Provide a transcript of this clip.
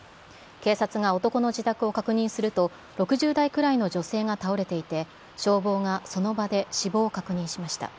警察が男の自宅を確認すると、６０代くらいの女性が倒れていて、消防がその場で死亡を確認しました。